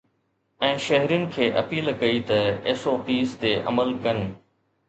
۽ شهرين کي اپيل ڪئي ته ايس او پيز تي عمل ڪن